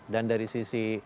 dan dari sisi